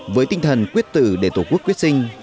với tinh thần quyết tử để tổ quốc quyết sinh